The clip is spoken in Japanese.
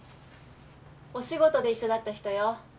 お仕事で一緒だった人よ。